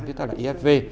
tức là là ifv